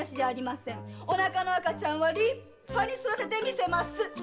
お腹の赤ちゃんは立派に育ててみせます！